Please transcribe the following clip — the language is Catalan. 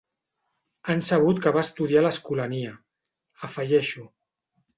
Han sabut que va estudiar a l'Escolania —afegeixo.